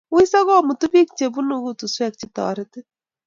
Wisek komutuu biik che bunuu kotosweek che terotin.